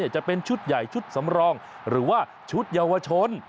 จะเป็นชุดใหญ่ชุดสำรองหรือว่าชุดเยาวชน